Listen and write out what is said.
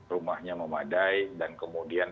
rumahnya memadai dan kemudian